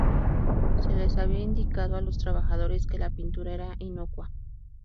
Se les había indicado a los trabajadores que la pintura era inocua.